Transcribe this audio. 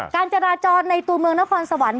การจราจรในตัวเมืองนครสวรรค์